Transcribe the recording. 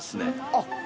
あっ。